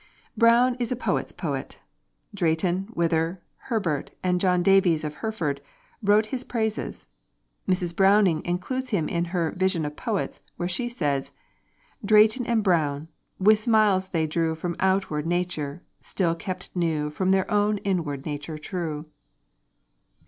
Browne is a poet's poet. Drayton, Wither, Herbert, and John Davies of Hereford, wrote his praises. Mrs. Browning includes him in her 'Vision of Poets,' where she says: "Drayton and Browne, with smiles they drew From outward Nature, still kept new From their own inward nature true."